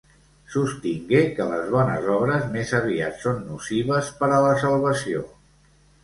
Sostingué que les bones obres més aviat són nocives per a la salvació.